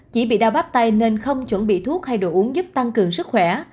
chỉ bị đau bắt tay nên không chuẩn bị thuốc hay đồ uống giúp tăng cường sức khỏe